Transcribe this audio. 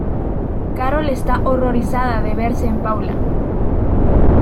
Carol está horrorizada de verse en Paula.